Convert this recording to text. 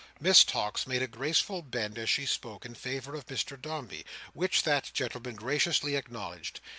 Miss Tox made a graceful bend as she spoke, in favour of Mr Dombey, which that gentleman graciously acknowledged.